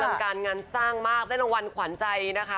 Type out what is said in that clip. ทำการงานสร้างมากได้รางวัลขวัญใจนะคะ